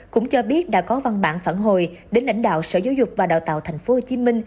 cũng cho biết đã có văn bản phản hồi đến lãnh đạo sở giáo dục và đào tạo tp hcm